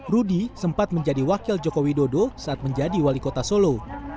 rudi sempat menjadi wakil jokowi dodo saat menjadi wali kota solo